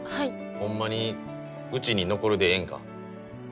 ホンマにうちに残るでええんか？